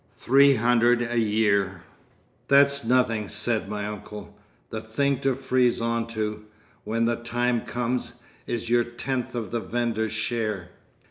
Three hundred a year. ("That's nothing," said my uncle, "the thing to freeze on to, when the time comes, is your tenth of the vendor's share.")